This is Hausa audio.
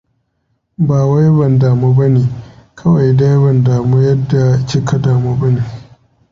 Ba wai ban damu bane, kawai dai ban damu yadda kika damu bane.